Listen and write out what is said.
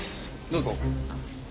どうぞ。